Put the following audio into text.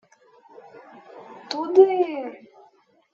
— Туди.